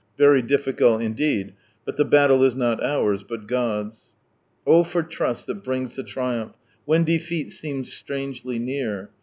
Very difficult indeed I But the battle is not ours but God's. " Oh for trust that brings the triumph Whea defeat «eeni» strangely near.